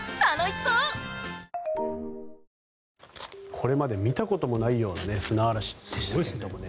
これまで見たこともないような砂嵐でしたけれどもね。